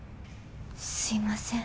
すいません。